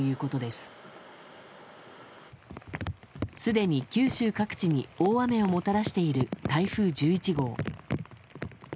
すでに九州各地に大雨をもたらしている台風１１号。